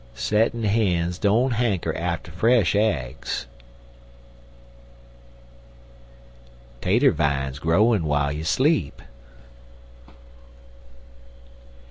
Settin' hens don't hanker arter fresh aigs. Tater vine growin' w'ile you sleep.